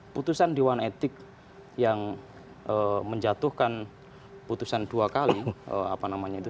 putusan dewan etik yang menjatuhkan putusan dua kali apa namanya itu